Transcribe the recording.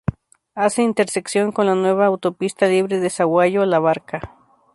Hace intersección con la nueva autopista libre de Sahuayo- La Barca.